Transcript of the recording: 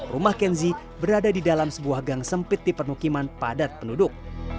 rumah kenzi berada di dalam sebuah gang sempit di permukiman padat penduduk